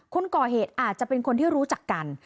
คนก่อเหตุอาจจะเป็นคนที่รู้จักกัน